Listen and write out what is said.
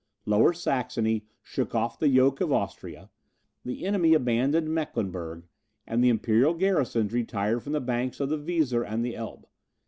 Lower Saxony shook off the yoke of Austria, the enemy abandoned Mecklenburg, and the imperial garrisons retired from the banks of the Weser and the Elbe.